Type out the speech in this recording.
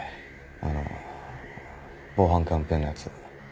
あの防犯キャンペーンのやつ。